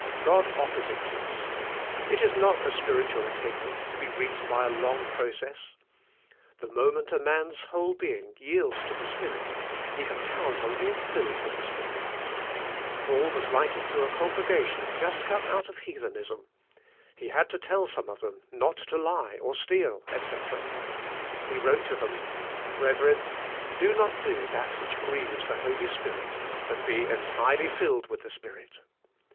God offers it to us! It is not a spiritual attainment, to be reached by a long process. The moment a man's whole being yields to the Spirit he can count upon being filled with the Spirit. Paul was writ ing to a congregation just come out of heathenism. He had to tell some of them not to lie, or steal, etc. He wrote to them. Brethren, do not do that which grieves the Holy Spirit, but be entirely filled with the Spirit.